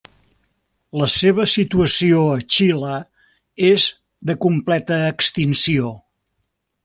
La seva situació a Xile és de completa extinció.